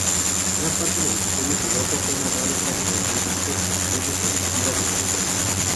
Gran parte del episodio piloto fue narrado casi totalmente en tres retrospectivas diferentes.